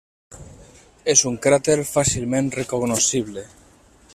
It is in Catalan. És un cràter fàcilment recognoscible.